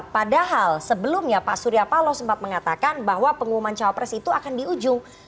padahal sebelumnya pak surya paloh sempat mengatakan bahwa pengumuman cawapres itu akan di ujung